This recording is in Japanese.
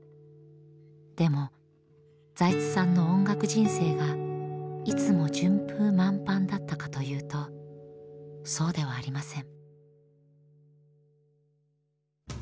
でも財津さんの音楽人生がいつも順風満帆だったかというとそうではありません。